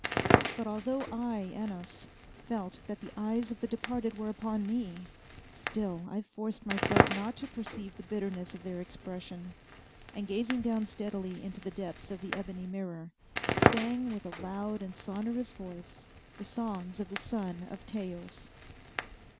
But although I, Oinos, felt that the eyes of the departed were upon me, still I forced myself not to perceive the bitterness of their expression, and gazing down steadily into the depths of the ebony mirror, sang with a loud and sonorous voice the songs of the son of Teios.